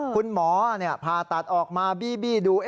คุณหมอผ่าตัดออกมาบี้ดู